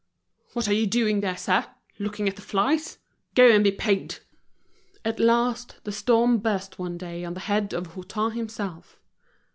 "What are you doing there, sir, looking at the flies? Go and be paid!" At last, the storm burst one day on the head of Hutin himself.